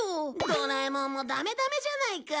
ドラえもんもダメダメじゃないか。